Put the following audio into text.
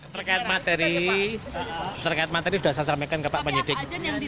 terkait materi terkait materi sudah saya sampaikan ke pak penyidik